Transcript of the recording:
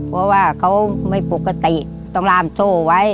เพราะว่าเขาไม่ปกติต้องล่ามโซ่ไว้